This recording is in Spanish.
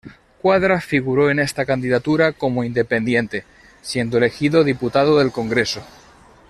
Cuadra figuró en esta candidatura como independiente, siendo elegido Diputado del Congreso.